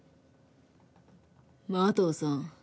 麻藤さん